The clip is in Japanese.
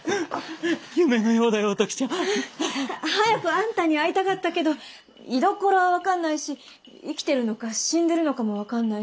夢のようだよお時ちゃん！早くあんたに会いたかったけど居所は分かんないし生きてるのか死んでるのかも分かんないし。